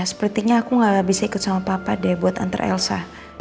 sepertinya aku nggak bisa ikut sama papa deh buat antar elsa